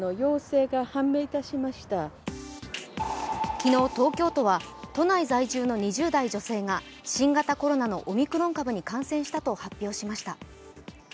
昨日、東京都は都内在住の２０代女性が新型コロナのオミクロン株に感染したと発表しました。